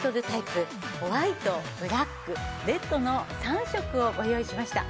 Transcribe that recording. ホワイトブラックレッドの３色をご用意しました。